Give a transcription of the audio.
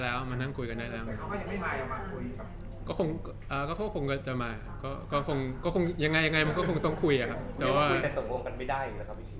แต่ว่าคุยแต่ต่อวงกันไม่ได้